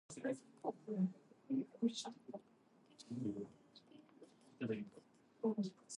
Having no wife or family he spent much of his money on the city.